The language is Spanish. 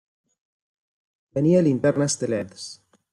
Venía linternas de leds.